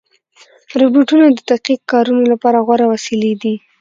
روبوټونه د دقیق کارونو لپاره غوره وسیلې دي.